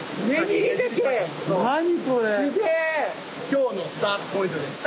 今日のスタートポイントです。